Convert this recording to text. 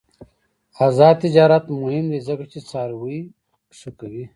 آزاد تجارت مهم دی ځکه چې څاروي ښه کوي.